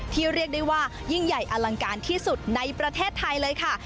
เรียกได้ว่ายิ่งใหญ่อลังการที่สุดในประเทศไทยเลยค่ะ